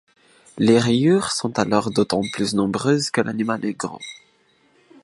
Les rayures sont alors d'autant plus nombreuses que l'animal est gros.